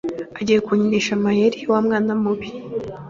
Ugiye kunkinisha amayeri, wa mwana mubi?